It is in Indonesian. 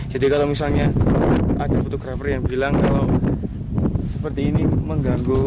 jadi kalau misalnya ada fotografer yang bilang kalau seperti ini mengganggu